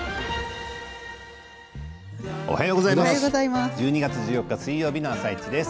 おはようございます。